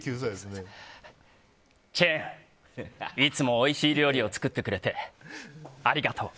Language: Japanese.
チェーンいつもおいしい料理を作ってくれて、ありがとう。